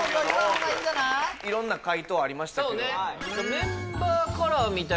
いろんな回答ありましたけどそうね